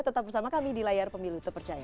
tetap bersama kami di layar pemilu terpercaya